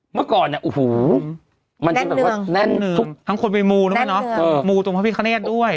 เมื่อก่อนเนี่ยอูหูแน่นเหนื่องทั้งคนมีมูลรึเปล่าเนอะมูลตรงพระพิธาเนศด้วย